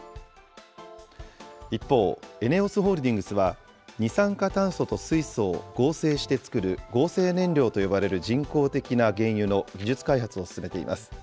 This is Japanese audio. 一方、ＥＮＥＯＳホールディングスは二酸化炭素と水素を合成して作る合成燃料と呼ばれる人工的な燃料の原油の技術開発を進めています。